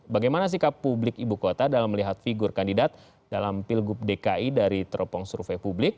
bagaimana sikap publik ibu kota dalam melihat figur kandidat dalam pilgub dki dari teropong survei publik